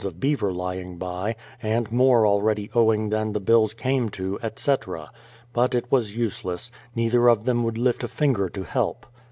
of beaver lying by, and more already owing than the bills came to, etc. But it was useless ; neither of them would lift a finger to help.